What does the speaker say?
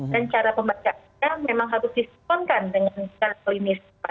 dan cara pembacaan memang harus disiponkan dengan segala klinis